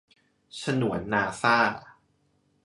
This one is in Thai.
ฉนวนนาซ่า